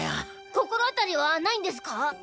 心当たりはないんですか？